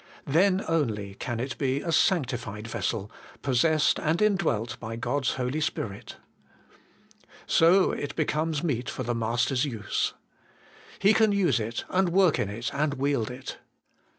Then only can it be a sanctified vessel, possessed and indwelt by God's Holy Spirit. So it becomes meet for the Master's use. He can use it, and work in it, and wield it.